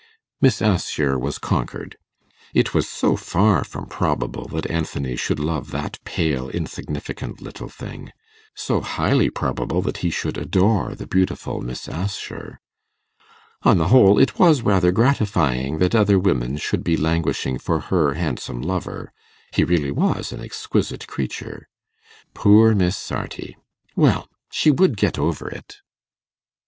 Miss Assher was conquered. It was so far from probable that Anthony should love that pale insignificant little thing so highly probable that he should adore the beautiful Miss Assher. On the whole, it was rather gratifying that other women should be languishing for her handsome lover; he really was an exquisite creature. Poor Miss Sarti! Well, she would get over it.